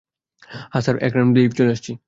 হ্যাঁ স্যার, এক রাউন্ড দিয়েই আসছি।